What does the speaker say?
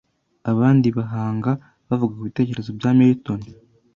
Abandi bahanga bavuga kubitekerezo bya Milton